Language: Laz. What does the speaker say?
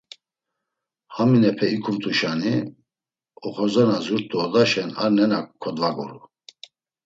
Haminepe ikumt̆uşani; oxorza na zurt̆u odaşen ar nena kodvaguru.